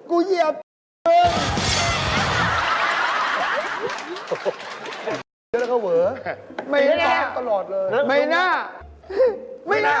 ฉันเหนียว